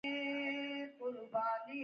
د هغه پوځیان منظمه توګه تیریږي.